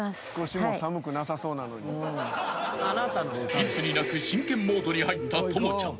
［いつになく真剣モードに入った朋ちゃん］